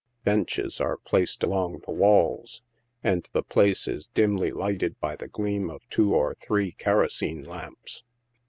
Benches are placed along the walls, and the place is dimly lighted by the gleam of two or three kerosene lamps.